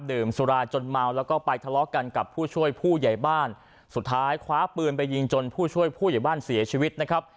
สุราจนเมาแล้วก็ไปทะเลาะกันกับผู้ช่วยผู้ใหญ่บ้านสุดท้ายคว้าปืนไปยิงจนผู้ช่วยผู้ใหญ่บ้านเสียชีวิตนะครับ